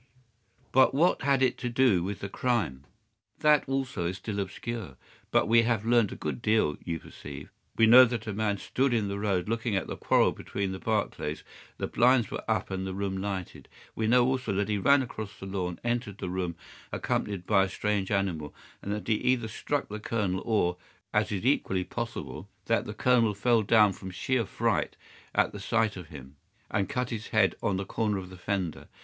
"But what had it to do with the crime?" "That, also, is still obscure. But we have learned a good deal, you perceive. We know that a man stood in the road looking at the quarrel between the Barclays—the blinds were up and the room lighted. We know, also, that he ran across the lawn, entered the room, accompanied by a strange animal, and that he either struck the Colonel or, as is equally possible, that the Colonel fell down from sheer fright at the sight of him, and cut his head on the corner of the fender.